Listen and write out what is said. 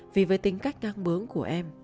vì với tính cách ngang bướng của em